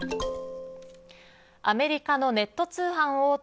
アメリカのネット通販大手